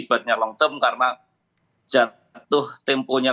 faktornya long term karena jatuh temponya